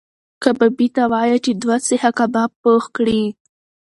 کبابي ته وایه چې دوه سیخه کباب پخ کړي.